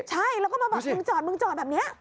ใช่แล้วก็มาบอกมึงจอดมึงจอดแบบนี้